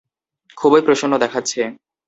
খুবই প্রসন্ন দেখাচ্ছে।